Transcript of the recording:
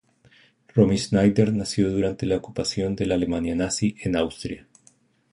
Romy Schneider nació durante la ocupación de la Alemania Nazi en Austria.